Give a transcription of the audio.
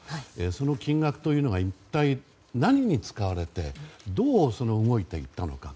その金額というのが一体何に使われてどう動いていたのか。